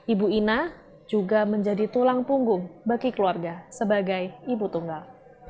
ibu ina juga menjadi tulang punggung bagi keluarga sebagai ibu tunggal